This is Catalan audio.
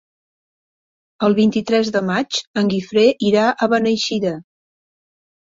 El vint-i-tres de maig en Guifré irà a Beneixida.